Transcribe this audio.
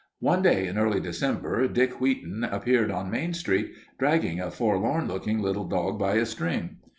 One day in early December Dick Wheaton appeared on Main Street, dragging a forlorn looking little dog by a string.